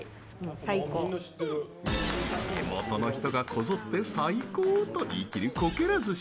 地元の人がこぞって「サイコー！」と言い切る「こけら寿司」